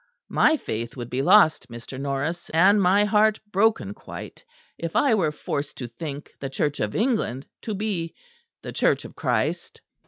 My faith would be lost, Mr. Norris, and my heart broken quite, if I were forced to think the Church of England to be the Church of Christ."